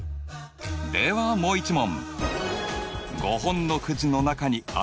ではもう一問。